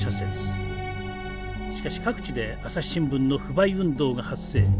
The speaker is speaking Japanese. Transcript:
しかし各地で朝日新聞の不買運動が発生。